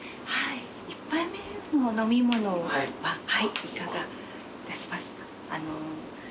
１杯目のお飲み物はいかがいたしますか？